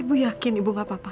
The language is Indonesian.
ibu yakin ibu gak pa pa